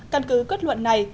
căn cứ kết luận này